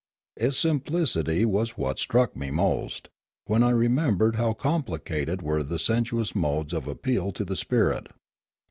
Its simplicity was what struck me most, when I remembered how complicated were the sensuous modes of appeal to the spirit.